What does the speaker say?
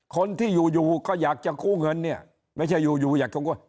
คนที่อยู่อยู่ก็อยากจะกู้เงินเนี่ยไม่ใช่อยู่อยู่อยากชงกวน